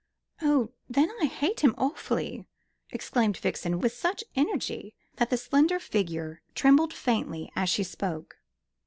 "Oh, then I hate him awfully," exclaimed Vixen, with such energy that the slender figure trembled faintly as she spoke.